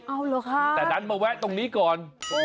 เอาเหรอคะแต่ดันมาแวะตรงนี้ก่อน